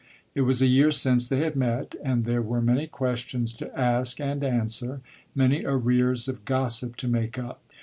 It was a year since they had met, and there were many questions to ask and answer, many arrears of gossip to make up.